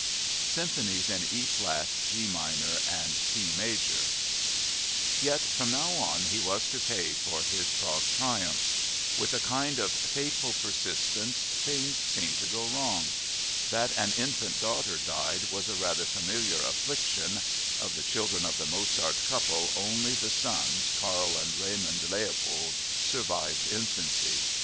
Symphonies in E flat, G minor, and C major Yet from now on he was to pay for his Prague triumphs. With a kind of fateful persistence things seemed to go wrong. That an infant daughter died was a rather familiar affliction (of the children of the Mozart couple only the sons, Karl and Raymund Leopold, survived infancy).